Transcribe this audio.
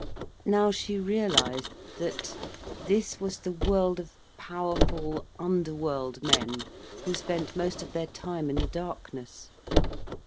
Now she realised that this was the world of powerful, underworld men who spent most of their time in the darkness.